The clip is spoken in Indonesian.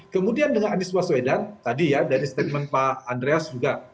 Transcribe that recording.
kemudian dengan anies baswedan tadi ya dari statement pak andreas juga